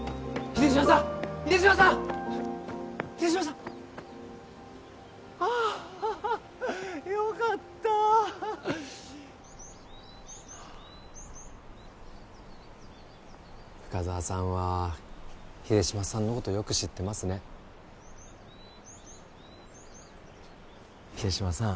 秀島さんああよかった深沢さんは秀島さんのことよく知ってますね秀島さん